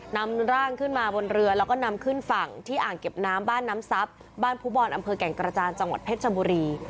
นำร่างขึ้นมาบนเรือแล้วก็นำขึ้นฝั่งที่อ่างเก็บน้ำบ้านน้ำทรัพย์บ้านภูบอลอำเภอแก่งกระจานจังหวัดเพชรชบุรี